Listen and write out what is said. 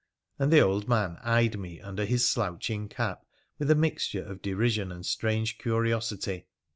' And the old man eyed me under his slouching cap with a mixture of derision and strange curiosity.